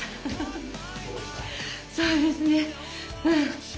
そうですね。